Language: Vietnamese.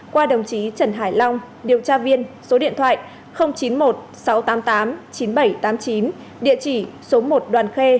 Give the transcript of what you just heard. qua đồng chí trần hải long điều tra viên số điện thoại chín mươi một sáu trăm tám mươi tám chín nghìn bảy trăm tám mươi chín địa chỉ số một đoàn khe